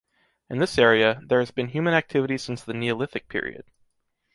In this area, there has been human activity since the Neolithic period.